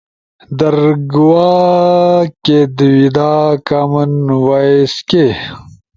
درگوا، کیدویدا، کامن وائس کے؟